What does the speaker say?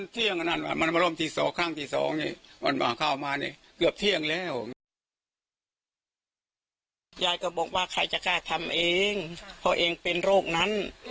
เพราะเองเป็นโรคนั้น